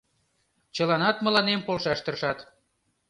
Чыланат мыланем полшаш тыршат.